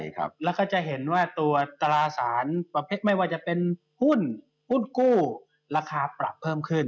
แล้วก็จะเห็นว่าตัวตราสารประเภทไม่ว่าจะเป็นหุ้นหุ้นกู้ราคาปรับเพิ่มขึ้น